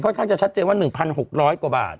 ข้างจะชัดเจนว่า๑๖๐๐กว่าบาท